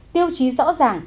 tiêu chí rõ ràng